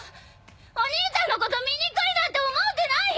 お兄ちゃんのこと醜いなんて思ってないよ！